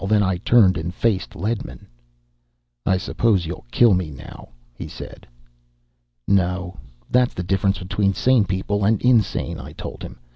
Then I turned and faced Ledman. "I suppose you'll kill me now," he said. "No. That's the difference between sane people and insane," I told him.